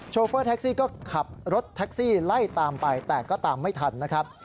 โฟเฟอร์แท็กซี่ก็ขับรถแท็กซี่ไล่ตามไปแต่ก็ตามไม่ทันนะครับ